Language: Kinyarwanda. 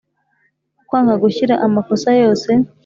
Kwanga gushyira amakosa yose